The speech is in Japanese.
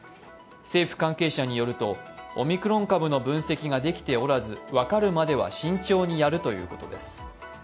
政府関係者によると、オミクロン株の分析ができておらず、分かるまでは慎重にやるとのことです。